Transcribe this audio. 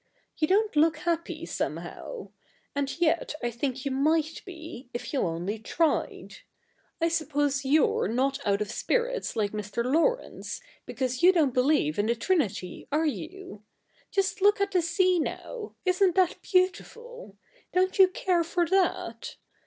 You don't look happy, somehow. And yet I think you might be, if you only tried. I suppose yon^re not out of spirits like Mr. Laurence, because you don't believe in the Trinity, are you ? Just look at the sea now. Isn't that beautiful ? Don't you care for that